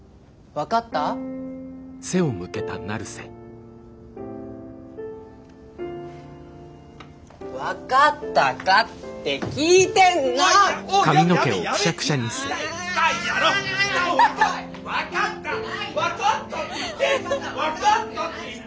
分かったって言ってんの！